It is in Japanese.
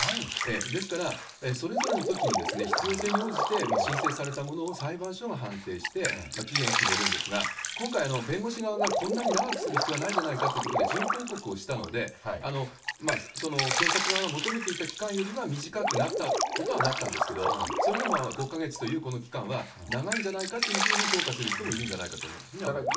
ですから、それぞれのときに、必要性に応じて、申請されたものを裁判所が判定して期限を決めるんですが、今回、弁護士側がこんなに長くする必要はないじゃないかということで準抗告をしたので、その検察側が求めていた期間よりは短くなったことはなったんですけど、それでも５か月というこの期間は長いんじゃないかというふうに評価する人もいるんじゃないかというふうに思います。